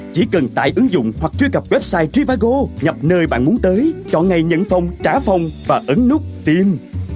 chỉ cần tải ứng dụng hoặc truy cập website trivago nhập nơi bạn muốn tới chọn ngay nhận phòng trả phòng và ấn nút tìm